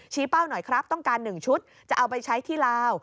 เป้าหน่อยครับต้องการ๑ชุดจะเอาไปใช้ที่ลาว